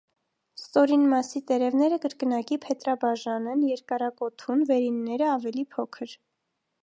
Ստորին մասի տերևները կրկնակի փետրաբաժան են, երկարակոթուն, վերինները՝ ավելի փոքր։